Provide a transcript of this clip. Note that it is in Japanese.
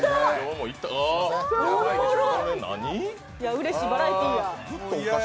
うれしいバラエティーや。